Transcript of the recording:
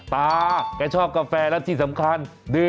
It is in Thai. อ่อตากาชอบกาแฟแล้วที่สำคัญ